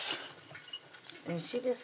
おいしいです